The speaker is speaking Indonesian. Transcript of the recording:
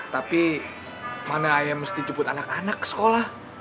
tapi mana ayah mesti jemput anak anak ke sekolah